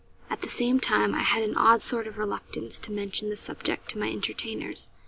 At the same time I had an odd sort of reluctance to mention the subject to my entertainers.